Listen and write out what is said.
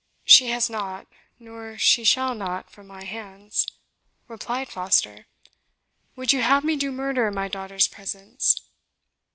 "She has not, nor she shall not from my hands," replied Foster; "would you have me do murder in my daughter's presence?"